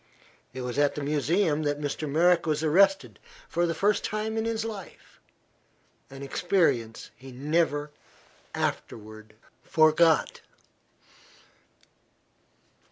It was at the Museum that Mr. Merrick was arrested for the first time in his life, an experience he never afterward forgot.